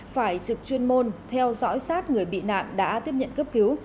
phải trực chuyên môn theo dõi sát người bị nạn đã tiếp nhận cấp cứu